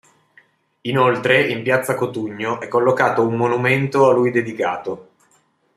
Inoltre, in piazza Cotugno è collocato un monumento a lui dedicato.